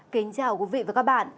kính chào quý vị và các bạn